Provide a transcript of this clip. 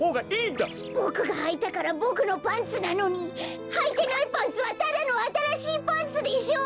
ボクがはいたからボクのパンツなのにはいてないパンツはただのあたらしいパンツでしょう！